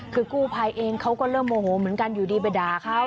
คือกู้ภัยเองเขาก็เริ่มโมโหเหมือนกันอยู่ดีไปด่าเขา